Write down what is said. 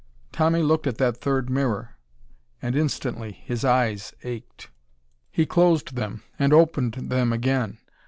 Tommy looked at that third mirror, and instantly his eyes ached. He closed them and opened them again.